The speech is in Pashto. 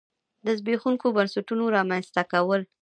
د زبېښونکو بنسټونو رامنځته کول.